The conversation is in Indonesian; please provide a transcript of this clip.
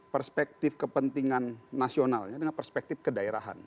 perspektif kepentingan nasionalnya dengan perspektif kedaerahan